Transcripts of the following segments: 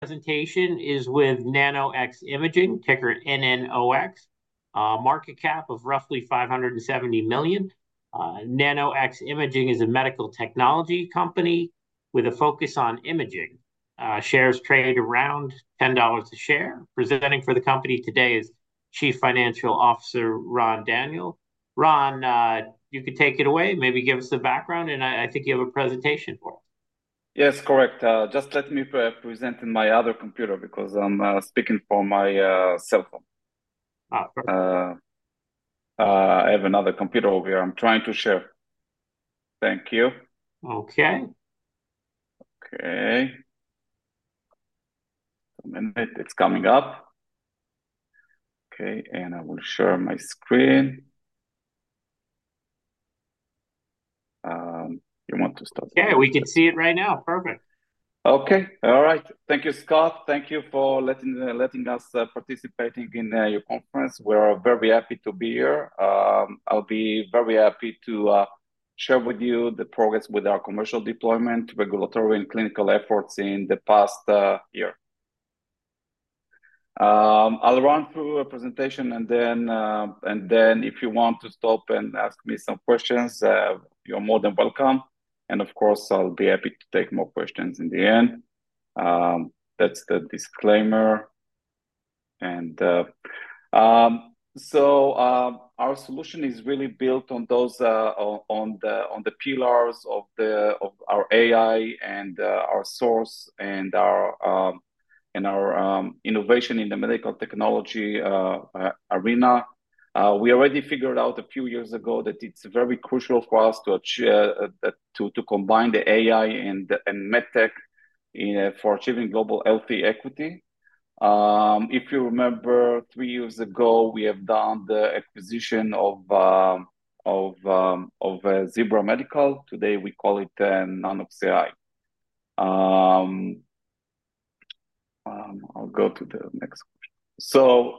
Presentation is with Nano-X Imaging, ticker NNOX. Market cap of roughly $570 million. Nano-X Imaging is a medical technology company with a focus on imaging. Shares trade around $10 a share. Presenting for the company today is Chief Financial Officer Ran Daniel. Ran, you can take it away, maybe give us a background, and I, I think you have a presentation for us. Yes, correct. Just let me present in my other computer because I'm speaking from my cell phone. Uh, perfect. I have another computer over here. I'm trying to share. Thank you. Okay. Okay. A minute, it's coming up. Okay, and I will share my screen. You want to start- Yeah, we can see it right now. Perfect. Okay. All right. Thank you, Scott. Thank you for letting us participating in your conference. We're very happy to be here. I'll be very happy to share with you the progress with our commercial deployment, regulatory and clinical efforts in the past year. I'll run through a presentation, and then if you want to stop and ask me some questions, you're more than welcome, and of course, I'll be happy to take more questions in the end. That's the disclaimer. So our solution is really built on those on the pillars of our AI, and our source, and our innovation in the medical technology arena. We already figured out a few years ago that it's very crucial for us to achieve to combine the AI and MedTech in for achieving global health equity. If you remember, three years ago, we have done the acquisition of Zebra Medical. Today we call it Nanox.AI. I'll go to the next...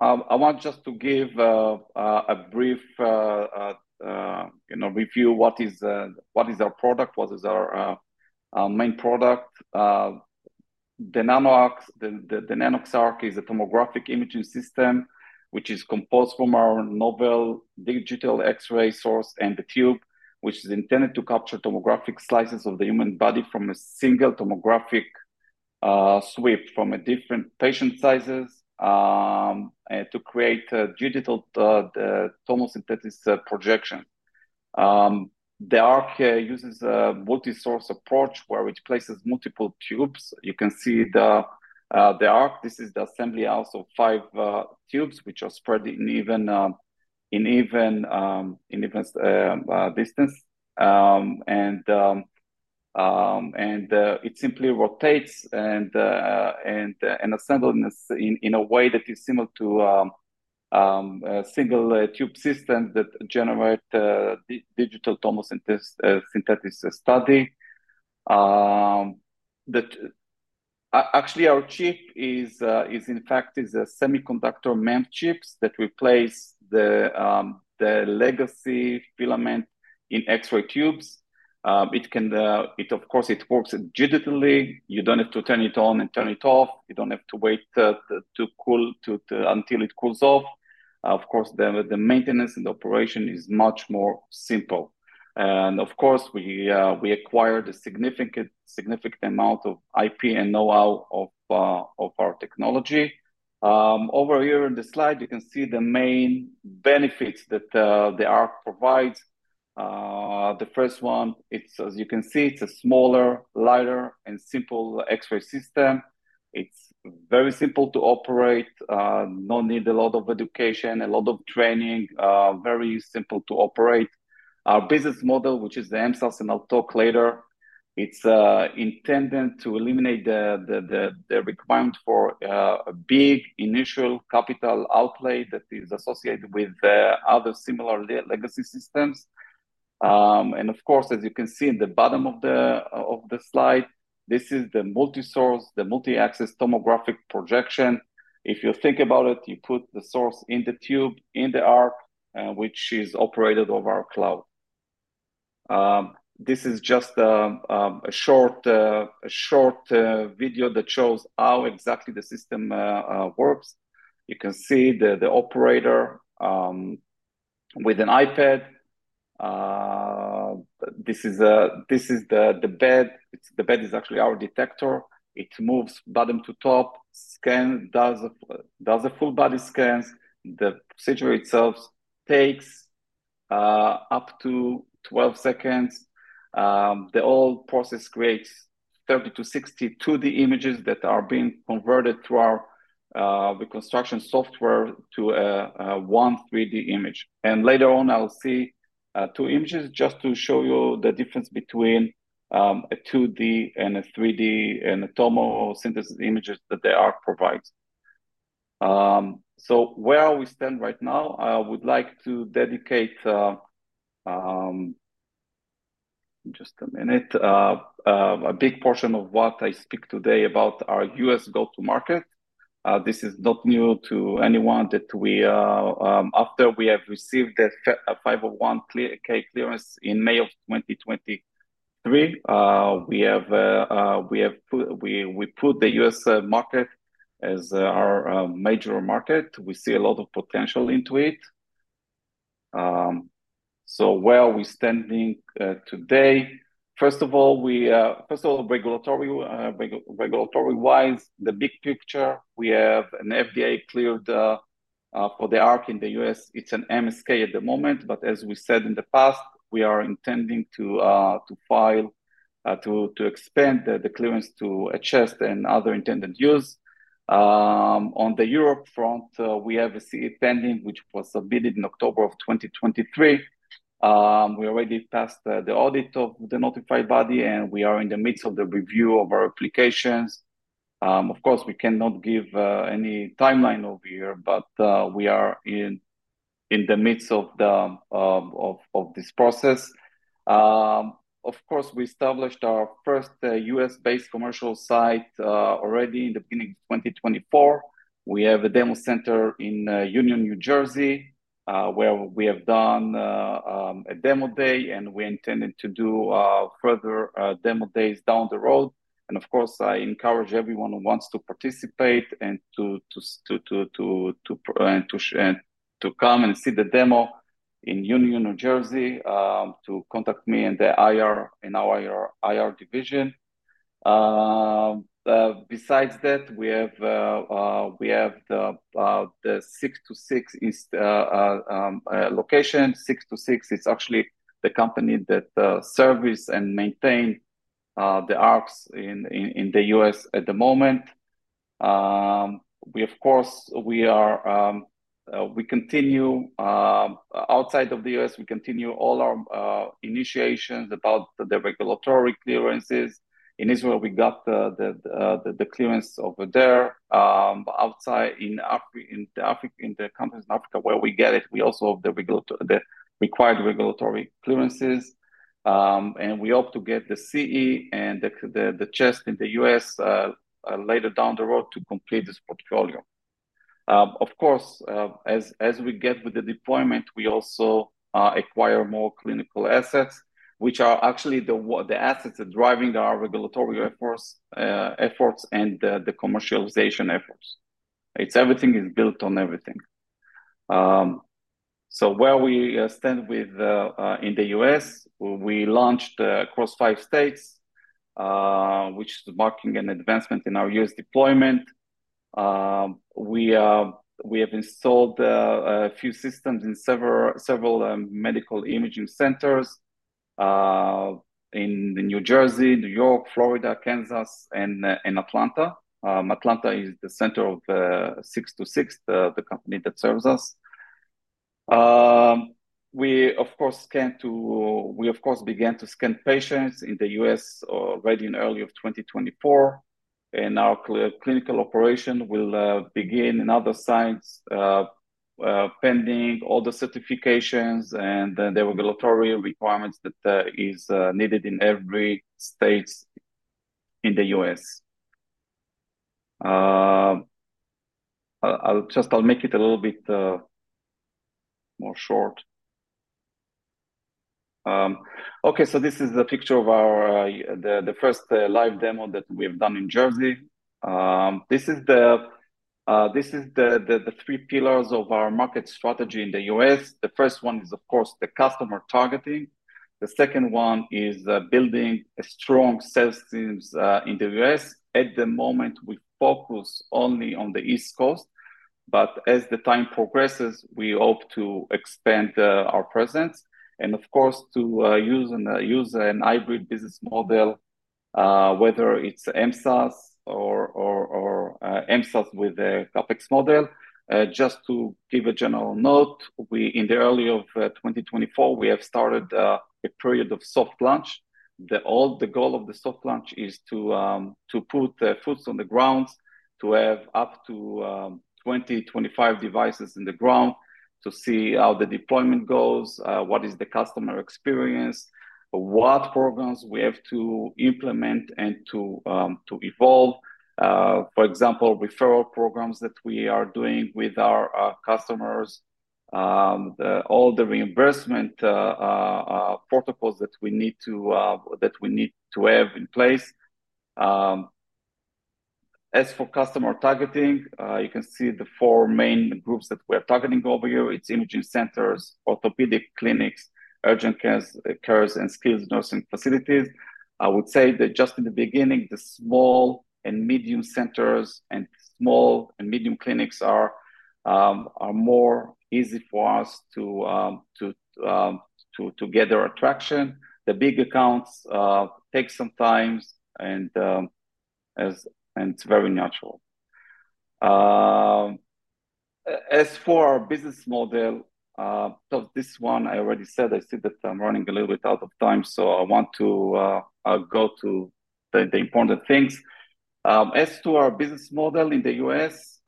I want just to give a brief, you know, review. What is our product, what is our main product? The Nanox.ARC is a tomographic imaging system, which is composed from our novel digital X-ray source and the tube, which is intended to capture tomographic slices of the human body from a single tomographic sweep, from a different patient sizes, and to create a digital tomosynthetic projection. The ARC uses a multi-source approach, which places multiple tubes. You can see the ARC. This is the assembly house of five tubes, which are spread in even distance. And it simply rotates and assembles in a way that is similar to a single tube system that generate digital tomosynthesis synthesis study. Actually, our chip is in fact a semiconductor MEMS chip that replaces the legacy filament in X-ray tubes. It can, of course, work digitally. You don't have to turn it on and turn it off. You don't have to wait to cool until it cools off. Of course, the maintenance and the operation is much more simple. And of course, we acquired a significant amount of IP and know-how of our technology. Over here in the slide, you can see the main benefits that the Arc provides. The first one, it's, as you can see, it's a smaller, lighter, and simple X-ray system. It's very simple to operate, no need a lot of education, a lot of training, very simple to operate. Our business model, which is the MSaaS, and I'll talk later, it's intended to eliminate the requirement for a big initial capital outlay that is associated with the other similar legacy systems. And of course, as you can see in the bottom of the slide, this is the multi-source, the multi-axis tomographic projection. If you think about it, you put the source in the tube, in the ARC, which is operated over our cloud. This is just a short video that shows how exactly the system works. You can see the operator with an iPad. This is the bed. The bed is actually our detector. It moves bottom to top, scan, does a full body scans. The procedure itself takes up to 12 seconds. The whole process creates 30-60 2D images that are being converted through our reconstruction software to 1 3D image. And later on, I'll see two images just to show you the difference between a 2D and a 3D, and the tomosynthesized images that the Arc provides. So where we stand right now? I would like to dedicate just a minute, a big portion of what I speak today about our U.S. go-to-market. This is not new to anyone that we, after we have received the 510(k) clearance in May 2023, we put the U.S. market as our major market. We see a lot of potential into it. So where are we standing today? First of all, regulatory-wise, the big picture, we have an FDA-cleared for the Arc in the U.S.. It's an MSK at the moment, but as we said in the past, we are intending to file to expand the clearance to a chest and other intended use. On the Europe front, we have a CE pending, which was submitted in October of 2023. We already passed the audit of the notified body, and we are in the midst of the review of our applications. Of course, we cannot give any timeline over here, but we are in the midst of this process. Of course, we established our first U.S.-based commercial site already in the beginning of 2024. We have a demo center in Union, New Jersey, where we have done a demo day, and we intended to do further demo days down the road. Of course, I encourage everyone who wants to participate and to show and to come and see the demo in Union, New Jersey, to contact me in the IR, in our IR division. Besides that, we have the 626 location. 626 is actually the company that service and maintain the arcs in the U.S. at the moment. Of course, we continue outside of the U.S. all our initiatives about the regulatory clearances. In Israel, we got the clearance over there, but in the countries in Africa where we get it, we also have the required regulatory clearances. And we hope to get the CE and the 510(k) in the U.S. later down the road to complete this portfolio. Of course, as we get with the deployment, we also acquire more clinical assets, which are actually the assets are driving our regulatory efforts and the commercialization efforts. It's everything is built on everything. So where we stand with in the U.S., we launched across five states, which is marking an advancement in our US deployment. We have installed a few systems in several medical imaging centers in New Jersey, New York, Florida, Kansas, and Atlanta. Atlanta is the center of the 626, the company that serves us. We, of course, began to scan patients in the U.S. already in early of 2024, and our clinical operation will begin in other sites pending all the certifications and the regulatory requirements that is needed in every states in the U.S.. I'll just make it a little bit more short. Okay, so this is the picture of our, the first live demo that we have done in Jersey. This is the three pillars of our market strategy in the U.S.. The first one is, of course, the customer targeting. The second one is building a strong sales teams in the U.S.. At the moment, we focus only on the East Coast, but as the time progresses, we hope to expand our presence, and of course, to use a hybrid business model, whether it's MSaaS or MSaaS with a CapEx model. Just to give a general note, in the early of 2024, we have started a period of soft launch. The goal of the soft launch is to put feet on the ground, to have up to 20-25 devices in the ground, to see how the deployment goes, what is the customer experience, what programs we have to implement and to evolve. For example, referral programs that we are doing with our customers, all the reimbursement protocols that we need to have in place. As for customer targeting, you can see the four main groups that we are targeting over here. It's imaging centers, orthopedic clinics, urgent cares, and skilled nursing facilities. I would say that just in the beginning, the small and medium centers and small and medium clinics are more easy for us to get their attraction. The big accounts take some times, and and it's very natural. As for our business model, so this one, I already said, I see that I'm running a little bit out of time, so I want to go to the important things. As to our business model in the U.S.,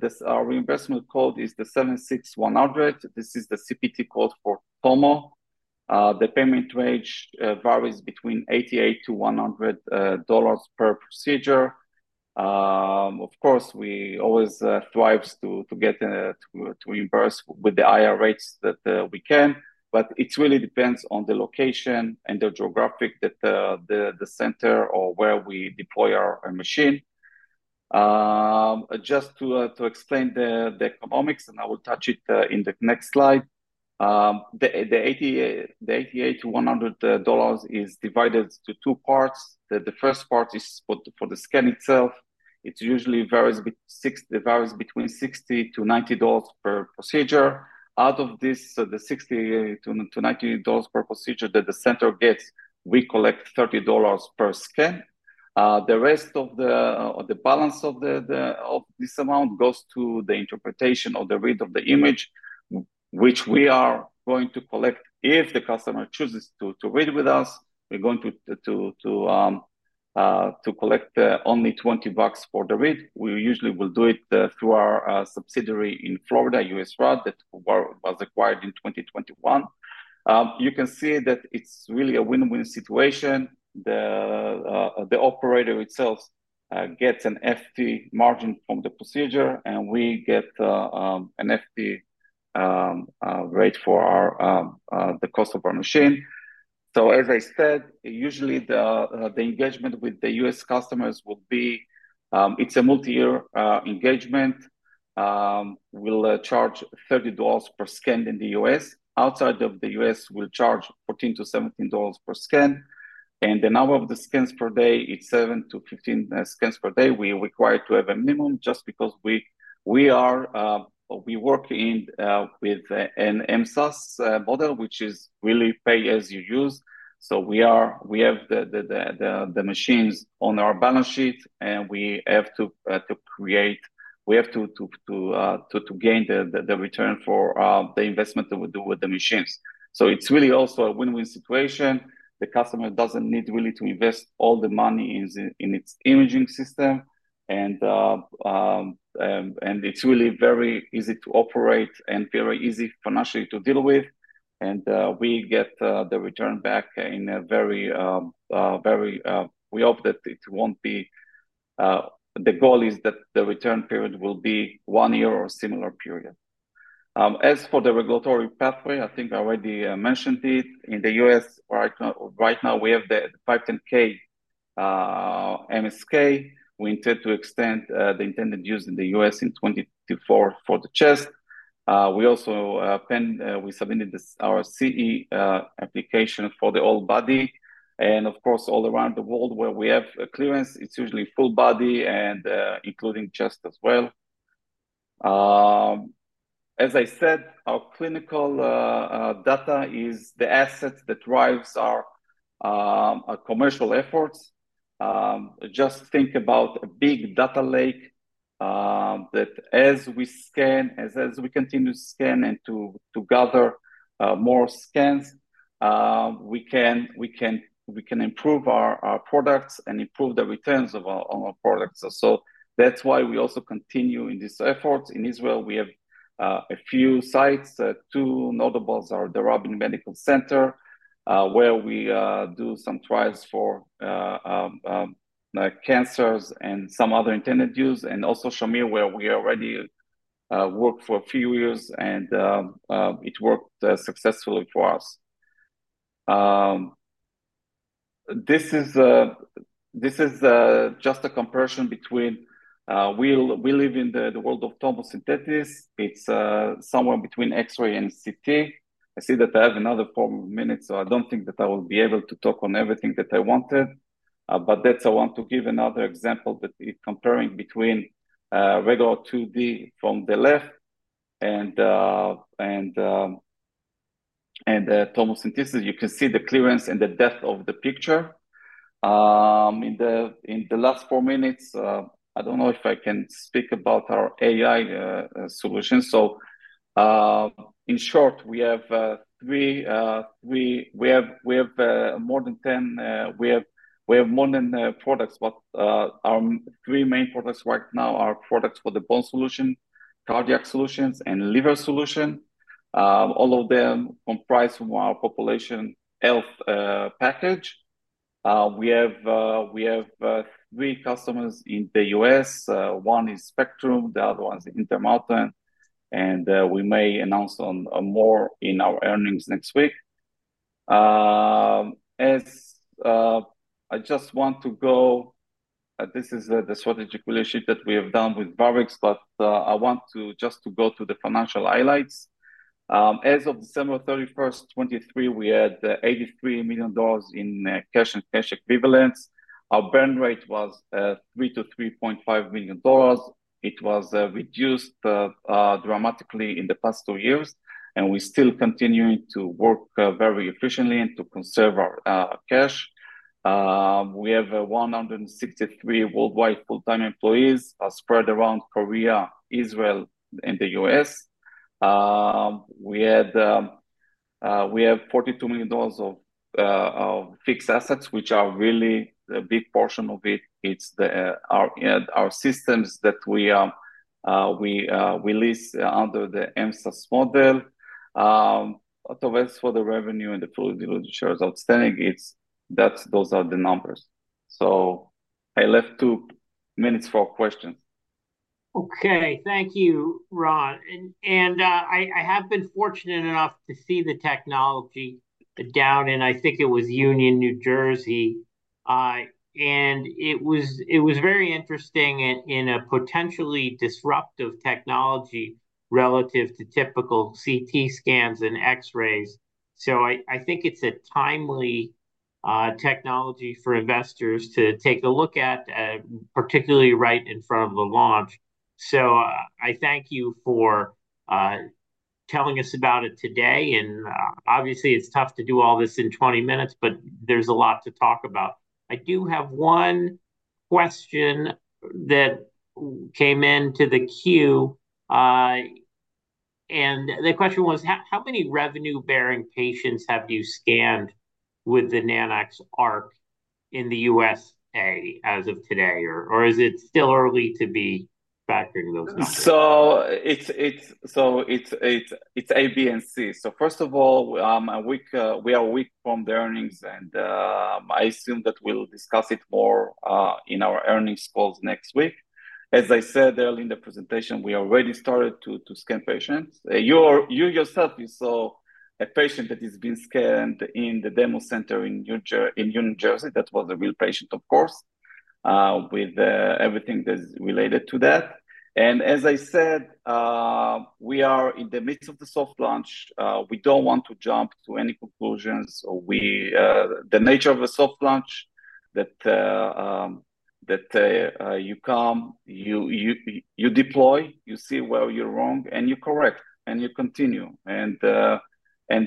this, our reimbursement code is 76100. This is the CPT code for tomography. The payment range varies between $88-$100 per procedure. Of course, we always strive to get reimbursed with the higher rates that we can, but it really depends on the location and the geography that the center or where we deploy our machine. Just to explain the economics, and I will touch it in the next slide. The $88-$100 is divided into two parts. The first part is for the scan itself. It usually varies between $60-$90 per procedure. Out of this, the $60-$90 per procedure that the center gets, we collect $30 per scan. The rest of the, or the balance of this amount goes to the interpretation or the read of the image, which we are going to collect. If the customer chooses to read with us, we're going to collect only $20 for the read. We usually will do it through our subsidiary in Florida, USARAD, that was acquired in 2021. You can see that it's really a win-win situation. The operator itself gets an FT margin from the procedure, and we get an FT rate for the cost of our machine. So, as I said, usually the engagement with the U.S. customers will be, it's a multi-year engagement. We'll charge $30 per scan in the U.S.. Outside of the U.S., we'll charge $14-$17 per scan, and the number of the scans per day, it's 7-15 scans per day. We are required to have a minimum, just because we work in with an MSaaS model, which is really pay as you use. So we have the machines on our balance sheet, and we have to gain the return for the investment that we do with the machines. So it's really also a win-win situation. The customer doesn't need really to invest all the money in its imaging system, and it's really very easy to operate and very easy financially to deal with. And we get the return back in a very, very... We hope that it won't be, the goal is that the return period will be one year or similar period. As for the regulatory pathway, I think I already mentioned it. In the U.S., right now, we have the 510(k) MSK. We intend to extend the intended use in the U.S. in 2024 for the chest. We also pending, we submitted our CE application for the whole body, and of course, all around the world where we have clearance, it's usually full body and including chest as well. As I said, our clinical data is the asset that drives our commercial efforts. Just think about a big data lake, that as we scan, as we continue to scan and to gather more scans, we can improve our products and improve the returns on our products. So that's why we also continue in this effort. In Israel, we have a few sites. Two notables are the Rabin Medical Center, where we do some trials for like cancers and some other intended use, and also Shamir, where we already worked for a few years, and it worked successfully for us. This is just a comparison between we live in the world of tomosynthesis. It's somewhere between X-ray and CT. I see that I have another 4 minutes, so I don't think that I will be able to talk on everything that I wanted, but that's I want to give another example, that it comparing between, regular 2D from the left and, and, tomosynthesis. You can see the clearance and the depth of the picture. In the last four minutes, I don't know if I can speak about our AI solution. So, in short, we have three, we have more than 10 products, but our three main products right now are products for the bone solution, cardiac solutions, and liver solution. All of them comprise from our population health package. We have three customers in the U.S.. One is Spectrum, the other one is Intermountain, and we may announce more in our earnings next week. As I just want to go... This is the strategic relationship that we have done with Varex, but I want to just go to the financial highlights. As of December 31st, 2023, we had $83 million in cash and cash equivalents. Our burn rate was $3 million-$3.5 million. It was reduced dramatically in the past two years, and we're still continuing to work very efficiently and to conserve our cash. We have 163 worldwide full-time employees spread around Korea, Israel, and the U.S.. We had, we have $42 million of fixed assets, which are really a big portion of it. It's the, our, our systems that we, we lease under the MSaaS model. As for the revenue and the fully diluted shares outstanding, it's, that's, those are the numbers. So... I left 2 minutes for questions. Okay, thank you, Ran. I have been fortunate enough to see the technology down, and I think it was Union, New Jersey. And it was very interesting and in a potentially disruptive technology relative to typical CT scans and X-rays. So I think it's a timely technology for investors to take a look at, particularly right in front of the launch. So I thank you for telling us about it today, and obviously it's tough to do all this in 20 minutes, but there's a lot to talk about. I do have one question that came in to the queue, and the question was, "How many revenue-bearing patients have you scanned with the Nanox.ARC in the USA as of today, or is it still early to be factoring those numbers? So it's A, B, and C. So first of all, we are a week from the earnings, and I assume that we'll discuss it more in our earnings calls next week. As I said earlier in the presentation, we already started to scan patients. You yourself saw a patient that has been scanned in the demo center in Union, New Jersey. That was a real patient, of course, with everything that's related to that. And as I said, we are in the midst of the soft launch. We don't want to jump to any conclusions or we... The nature of a soft launch that you come, you deploy, you see where you're wrong, and you correct, and you continue, and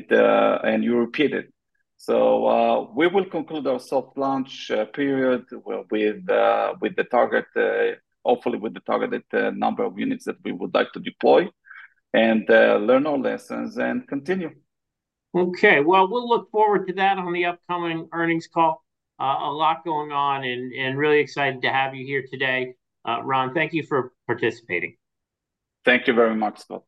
you repeat it. So, we will conclude our soft launch period with the target, hopefully with the targeted number of units that we would like to deploy, and learn our lessons and continue. Okay. Well, we'll look forward to that on the upcoming earnings call. A lot going on, and really excited to have you here today. Ran, thank you for participating. Thank you very much, Scott.